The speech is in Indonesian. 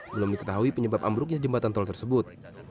belum diketahui penyebab ambruknya jembatan tol tersebut